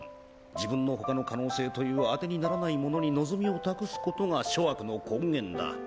自分のほかの可能性という当てにならないものに望みを託すことが諸悪の根源だ。